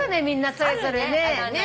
みんなそれぞれ。